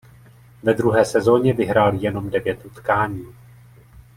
Ve druhé sezóně vyhrál jenom devět utkání.